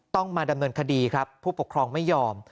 ต้องมาดำเนินคดีครับผู้ปกครองไม่ยอม